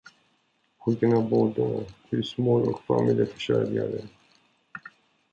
Pojken är både husmor och familjeförsörjare.